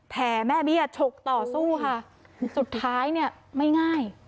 แม่เบี้ยฉกต่อสู้ค่ะสุดท้ายเนี่ยไม่ง่าย